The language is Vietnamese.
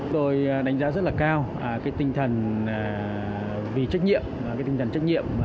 tôi đánh giá rất là cao cái tinh thần trách nhiệm